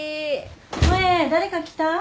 萌誰か来た？